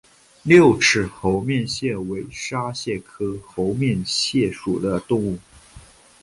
六齿猴面蟹为沙蟹科猴面蟹属的动物。